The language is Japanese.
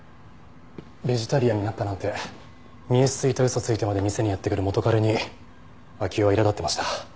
「ベジタリアンになった」なんて見え透いた嘘をついてまで店にやって来る元彼に暁代はいら立ってました。